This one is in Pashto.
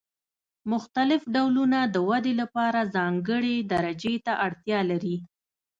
مختلف ډولونه د ودې لپاره ځانګړې درجې ته اړتیا لري.